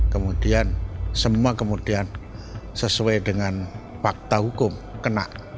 kemudian semua kemudian sesuai dengan fakta hukum kena